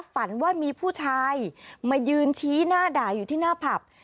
ฝันว่ามีผู้ชายมายืนชี้หน้าด่าอยู่ที่หน้าผับ